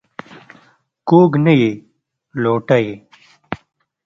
کوږ نه یې لوټه یې.